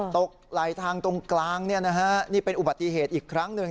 ตกไหลทางตรงกลางนี่เป็นอุบัติเหตุอีกครั้งหนึ่ง